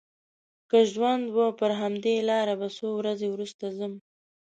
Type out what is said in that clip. که ژوند و پر همدې لاره به څو ورځې وروسته ځم.